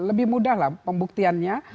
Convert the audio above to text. lebih mudah lah pembuktiannya